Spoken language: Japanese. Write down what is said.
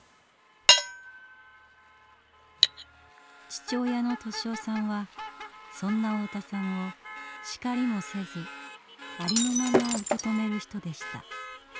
父親の利雄さんはそんな太田さんを叱りもせずありのまま受け止める人でした。